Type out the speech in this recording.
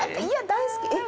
いや大好き！